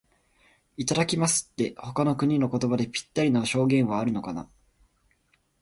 「いただきます」って、他の国の言葉でぴったりの表現はあるのかな。